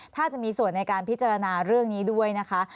ถ้าจะมีส่วนในการพิจารณาเรื่องนี้ด้วยนะคะ